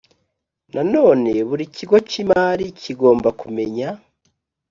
Nanone buri kigo cy imari kigomba kumenya